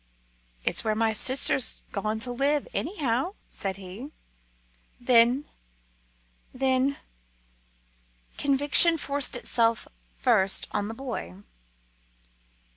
"It's where my sister's gone to live, anyhow," said he. "Then then " Conviction forced itself first on the boy.